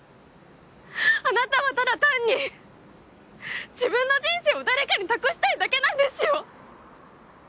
あなたはただ単に自分の人生を誰かに託したいだけなんですよ！